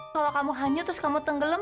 kalau kamu hanyut terus kamu tenggelam